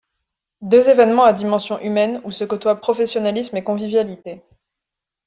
Deux événements à dimension humaine où se côtoient professionnalisme et convivialité.